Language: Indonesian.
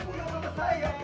gue mau bersayar